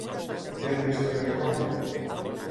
A quina altra història recorda?